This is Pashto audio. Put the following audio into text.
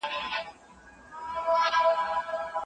کله نا کله چې بېوزلو سره مرسته وشي، لوږه به ډېره نه شي.